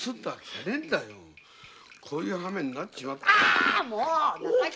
そういう羽目になっちまったんだ。